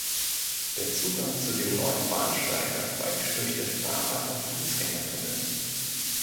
Der Zugang zu dem neuen Bahnsteig erfolgt durch den Fahrrad- und Fußgängertunnel.